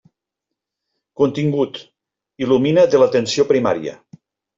Contingut: Il·lumina de l'atenció primària.